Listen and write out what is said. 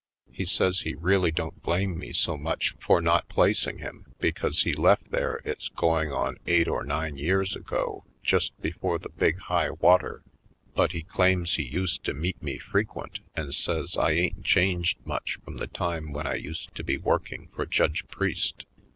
He says he really don't blame me so much for 76 /. Poindexter^ Colored not placing him, because he left there it's going on eight or nine years ago just before the big high water; but he claims he used to meet me frequent, and says I ain't changed much from the time when I used to be working for Judge Priest.